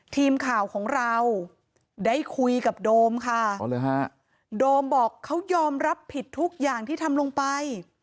ทีมข่าวของเราได้คุยกับโดมค่ะโดมบอกเขายอมรับผิดทุกอย่างที่ทำลงไป